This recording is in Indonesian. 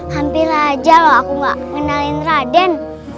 hampir aja loh aku gak kenalin raden